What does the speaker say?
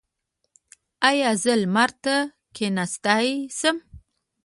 ایا زه لمر ته کیناستلی شم؟